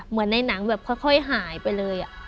เหมือนในหนังแบบค่อยหายไปเลย